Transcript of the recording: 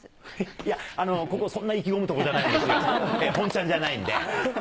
いや、ここ、そんな意気込むところじゃないので、本ちゃんじゃないんで。